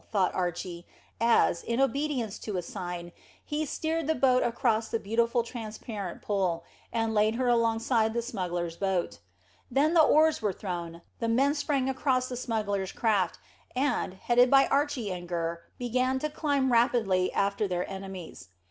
thought Archy, as, in obedience to a sign, he steered the boat across the beautiful transparent pool, and laid her alongside the smugglers boat. Then oars were thrown down, the men sprang across the smugglers' craft, and, headed by Archy and Gurr, began to climb rapidly after their enemies.